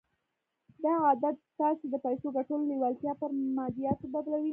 دا عادت ستاسې د پيسو ګټلو لېوالتیا پر ماديياتو بدلوي.